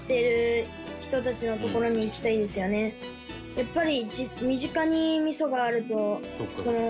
やっぱり。